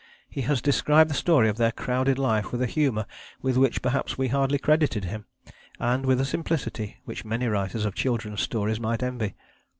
He has described the story of their crowded life with a humour with which, perhaps, we hardly credited him, and with a simplicity which many writers of children's stories might envy.